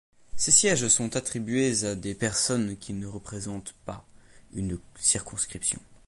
Ces sièges sont attribués à des personnes qui ne représentent pas une circonscription.